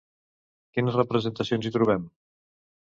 Quines representacions hi trobem?